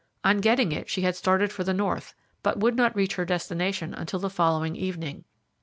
On getting it she had started for the north, but would not reach her destination until the following evening.